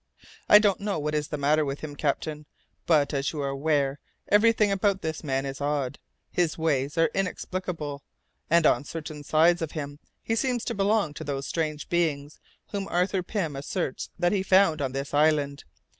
"I don't know what is the matter with him, captain. But, as you are aware, everything about this man is odd: his ways are inexplicable, and on certain sides of him he seems to belong to those strange beings whom Arthur Pym asserts that he found on this island.